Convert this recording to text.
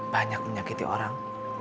banyak menyakiti orang